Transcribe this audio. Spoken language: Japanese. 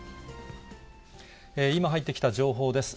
今、入ってきた情報です。